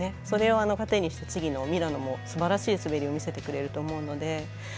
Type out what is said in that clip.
それを糧にして、次のミラノもすばらしい滑りを見せてくれると思うので。